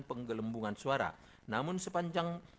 penggelembungan suara namun sepanjang